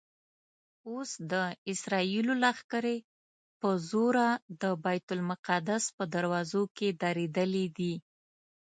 اوس د اسرائیلو لښکرې په زوره د بیت المقدس په دروازو کې درېدلي دي.